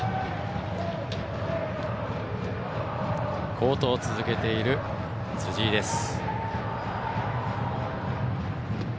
好投を続けている辻井です。